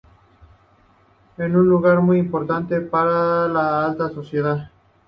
Era un lugar muy importante para la alta sociedad.